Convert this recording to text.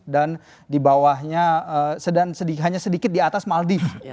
dan dibawahnya sedikit di atas maldives